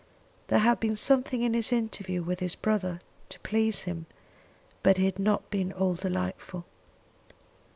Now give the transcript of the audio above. There had been something in his interview with his brother to please him, but it had not been all delightful.